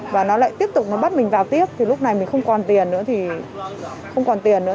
và nó lại tiếp tục nó bắt mình vào tiếp thì lúc này mình không còn tiền nữa